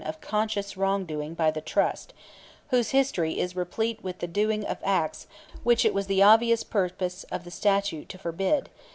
.. of conscious wrong doing" by the Trust, whose history is "replete with the doing of acts which it was the obvious purpose of the statute to forbid